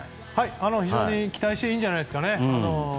非常に期待していいんじゃないですかね。